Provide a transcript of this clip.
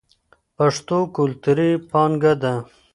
پښتو کلتوري پانګه ده.